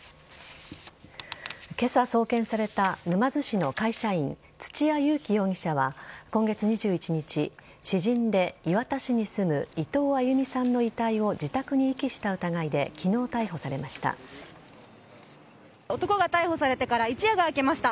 今朝送検された沼津市の会社員土屋勇貴容疑者は今月２１日、知人で磐田市に住む伊藤亜佑美さんの遺体を自宅に遺棄した疑いで男が逮捕されてから一夜が明けました。